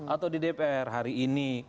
atau di dpr hari ini